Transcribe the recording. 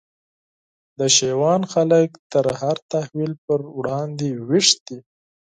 د شېوان خلک د هر تحول پر وړاندي ویښ دي